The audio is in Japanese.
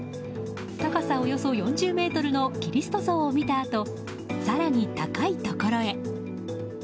高さおよそ４０ｍのキリスト像を見たあと更に高いところへ。